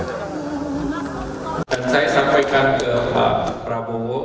saya sampaikan ke pak prabowo